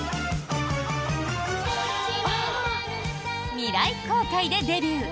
「未来航海」でデビュー